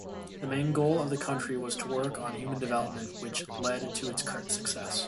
The main goal of the country was to work on the human development which lead to its current success.